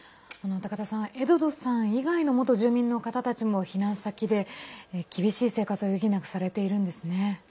エドドさん以外の元住民の方たちも避難先で厳しい生活を余儀なくされているんですね。